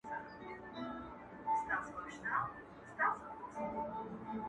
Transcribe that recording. چي تر پام دي ټول جهان جانان جانان سي,